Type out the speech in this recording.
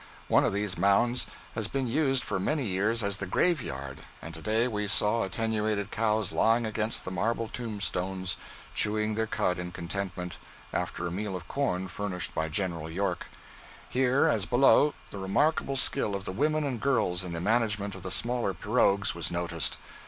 One of these mounds has been used for many years as the grave yard, and to day we saw attenuated cows lying against the marble tomb stones, chewing their cud in contentment, after a meal of corn furnished by General York. Here, as below, the remarkable skill of the women and girls in the management of the smaller pirogues was noticed.